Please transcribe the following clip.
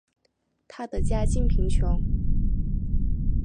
她的家境贫穷。